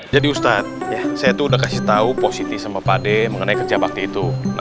jadi ustadz saya tuh udah kasih tau positif sama pak d mengenai kerja bakti itu